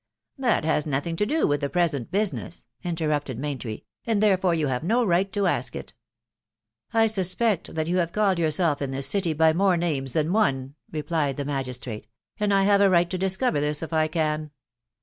" That has nothing to do with the present business/* inter rupted Main try, " and therefore you have no right to ask it" " I suspect that you have called yourself in thia city by more names than one/* replied the magistrate ;" and I have a right to discover this if I can.